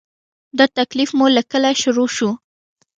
دا تکلیف مو له کله شروع شو؟